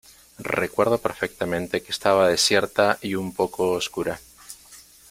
recuerdo perfectamente que estaba desierta y un poco oscura.